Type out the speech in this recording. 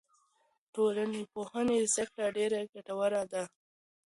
د ټولنپوهنې زده کړه ډېره ګټوره ده.